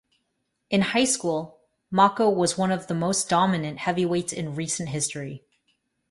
In high school, Mocco was one of the most dominant heavyweights in recent history.